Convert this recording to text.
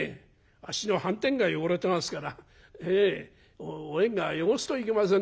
あっしの半纏が汚れてますからお縁側汚すといけませんので」。